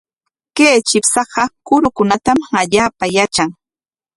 Kay chipshaqa kurukunatam allaapa yatran.